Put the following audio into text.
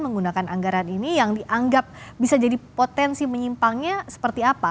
menggunakan anggaran ini yang dianggap bisa jadi potensi menyimpangnya seperti apa